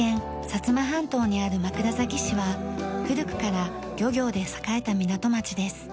薩摩半島にある枕崎市は古くから漁業で栄えた港町です。